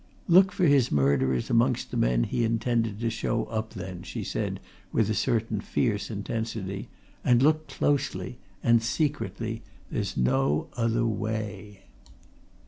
"Look for his murderers amongst the men he intended to show up, then!" she said, with a certain fierce intensity. "And look closely and secretly! There's no other way!"